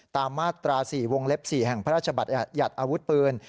ตามมาตรา๔วงเล็บ๔แห่งพระราชบัญญัติอาวุธปืน